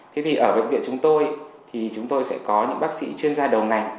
thế thì ở bệnh viện chúng tôi thì chúng tôi sẽ có những bác sĩ chuyên gia đầu ngành